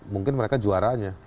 mungkin mereka juaranya